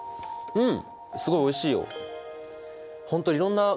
うん。